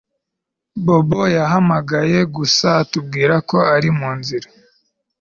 Bobo yahamagaye gusa atubwira ko ari munzira